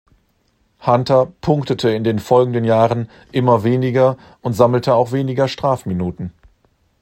Hunter punktete in den folgenden Jahren immer weniger und sammelte auch weniger Strafminuten.